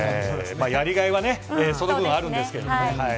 やりがいはその分あるんですけどね。